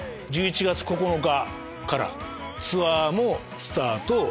１１月９日からツアーもスタート